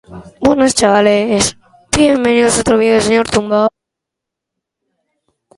Gaur egun, arropak egiteko gehien erabiltzen den zuntz naturala da.